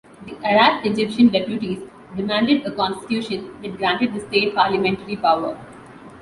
The Arab-Egyptian deputies demanded a constitution that granted the state parliamentary power.